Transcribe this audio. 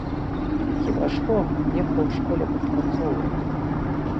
Хіба што, нехта ў школе падпрацоўвае.